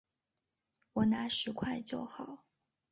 我拿十块就好